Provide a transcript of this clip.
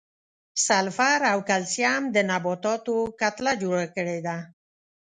سلفر او کلسیم د نباتاتو کتله جوړه کړې ده.